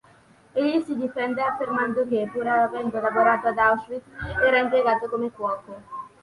Egli si difende affermando che, pur avendo lavorato ad Auschwitz, era impiegato come cuoco.